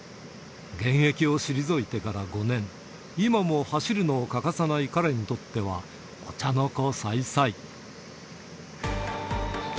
現役を退いてから５年、今も走るのを欠かさない彼にとっては、お茶の子さいさい。